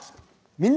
「みんな！